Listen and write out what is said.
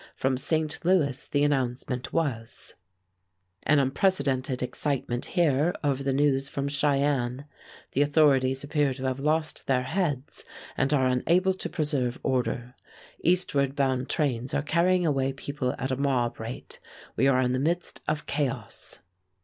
From St. Louis the announcement was: An unprecedented excitement here over the news from Cheyenne. The authorities appear to have lost their heads, and are unable to preserve order. Eastward bound trains are carrying away people at a mob rate. We are in the midst of chaos.